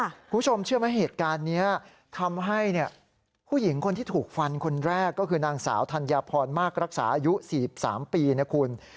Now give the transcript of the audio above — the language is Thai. คุณผู้ชมเชื่อไหมเหตุการณ์นี้ทำให้ผู้หญิงคนที่ถูกฟันคนแรกก็คือนางสาวธัญพรมากรักษาอายุ๔๓ปีนะคุณ